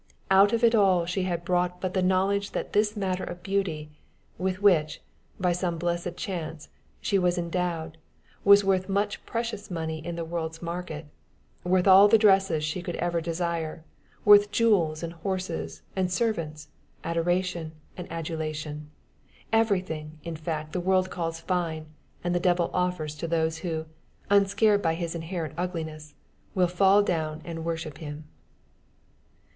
Out of it all she had brought but the knowledge that this matter of beauty, with which, by some blessed chance, she was endowed, was worth much precious money in the world's market worth all the dresses she could ever desire, worth jewels and horses and servants, adoration and adulation everything, in fact, the world calls fine, and the devil offers to those who, unscared by his inherent ugliness, will fall down and worship him.